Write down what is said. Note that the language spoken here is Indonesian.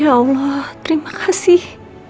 ya allah terima kasih